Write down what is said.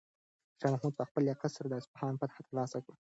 شاه محمود په خپل لیاقت سره د اصفهان فتحه ترلاسه کړه.